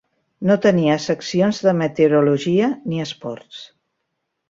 No tenia seccions de meteorologia ni esports.